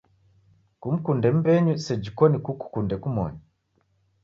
Kumkunde mbenyu seji koni kukukunde kumoni.